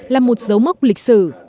là một dấu mốc lịch sử